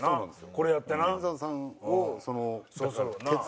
これやってな。